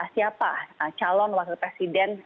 siapa calon wakil presiden